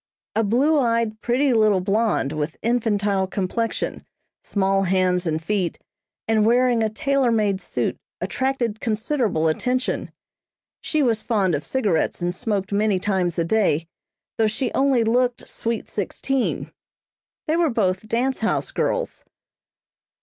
A blue eyed, pretty little blonde, with infantile complexion, small hands and feet, and wearing a tailor made suit attracted considerable attention. She was fond of cigarettes and smoked many times a day, though she only looked "sweet sixteen." They were both dance house girls.